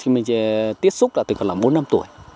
mình tiếp xúc từ khoảng bốn năm tuổi